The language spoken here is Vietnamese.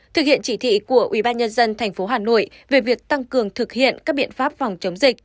thực hiện chỉ thị của ubnd tp hà nội về việc tăng cường thực hiện các biện pháp phòng chống dịch